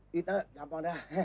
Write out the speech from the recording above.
kita gampang dah